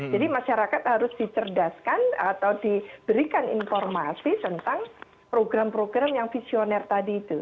masyarakat harus dicerdaskan atau diberikan informasi tentang program program yang visioner tadi itu